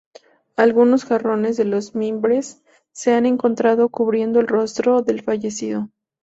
Algunos jarrones de los Mimbres se han encontrado cubriendo el rostro del fallecido.